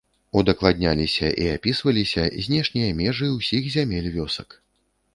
Удакладняліся і апісваліся знешнія межы ўсіх зямель вёсак.